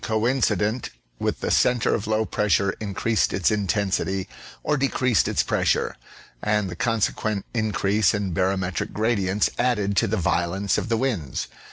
coincident with the centre of low pressure increased its intensity or decreased its pressure, and the consequent increase in baro metric gradients added to the violence of the winds.